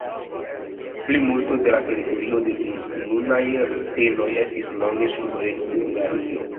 Plimulto de la teritorio de nunaj rutenoj estis longe sub reĝo de Hungarujo.